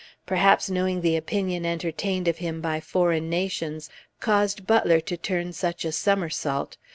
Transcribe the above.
Perhaps knowing the opinion entertained of him by foreign nations, caused Butler to turn such a somersault.